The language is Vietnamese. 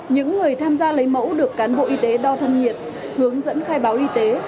những người tham gia lấy mẫu được cán bộ y tế đo thân nhiệt hướng dẫn khai báo y tế